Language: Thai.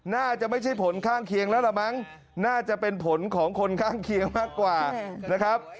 น่าจะไม่ใช่ผลข้างเคียงแล้วล่ะมั้งน่าจะเป็นผลของคนข้างเคียงมากกว่านะครับ